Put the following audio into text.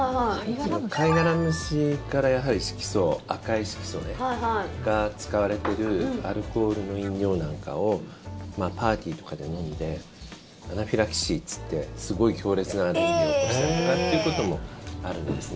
カイガラムシから、やはり色素赤い色素が使われているアルコールの飲料なんかをパーティーとかで飲んでアナフィラキシーっていってすごい強烈なアレルギーを起こしたとかっていうこともあるんですね。